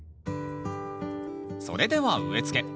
それでは植えつけ。